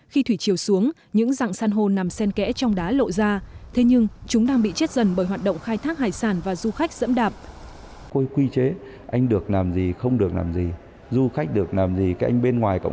khi thủy chiều xuống những dạng san hô nằm sen kẽ trong đá lộ ra thế nhưng chúng đang bị chết dần bởi hoạt động khai thác hải sản và du khách dẫm đạp